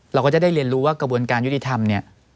เราก็จะได้เรียนรู้ว่ากระบวนการยุติธรรมเนี่ย